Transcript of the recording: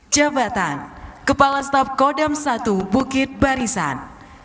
jabatan kepala staf kodam satu bukit barisan